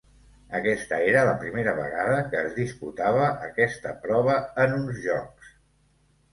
Aquesta era la primera vegada que es disputava aquesta prova en uns Jocs.